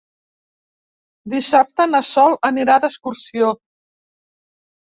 Dissabte na Sol anirà d'excursió.